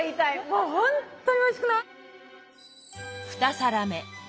もうほんとにおいしくない？